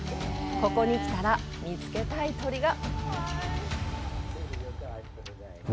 ここに来たら見つけたい鳥が！